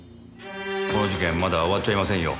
この事件まだ終わっちゃいませんよ。